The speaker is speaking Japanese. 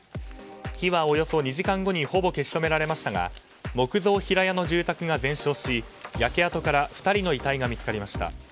火はおよそ２時間後にほぼ消し止められましたが木造平屋の住宅が全焼し焼け跡から２人の遺体が見つかりました。